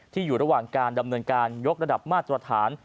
อยู่ระหว่างการดำเนินการยกระดับมาตรฐาน